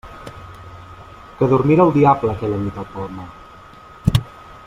Que dormira el diable aquella nit al Palmar!